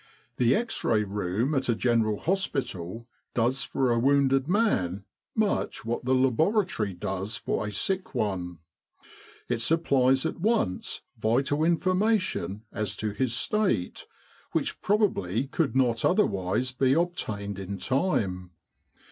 " The X Ray Room at a General Hospital does for a wounded man much what the Laboratory does for a sick one. It supplies at once vital information as to 249 With the R.A.M.C. in Egypt his state, which probably could not otherwise be obtained in time.